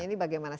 ini bagaimana sih